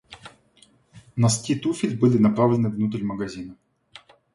Носки туфель были направлены внутрь магазина.